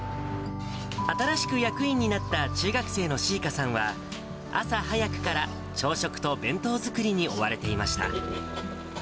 新しく役員になった中学生のしいかさんは、朝早くから朝食と弁当作りに追われていました。